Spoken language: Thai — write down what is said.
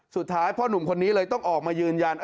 สุดท้ายพ่อหนุ่มคนนี้เลยต้องออกมายืนยัน